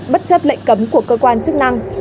bất chấp lệnh cấm của cơ quan chức năng